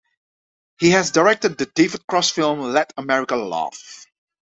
He directed the David Cross film "Let America Laugh".